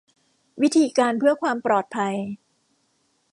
วิธีการเพื่อความปลอดภัย